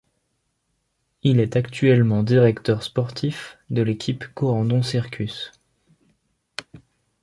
Il est actuellement directeur sportif de l'équipe Corendon-Circus.